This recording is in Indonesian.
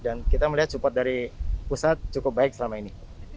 dan kita melihat support dari pusat cukup baik selama ini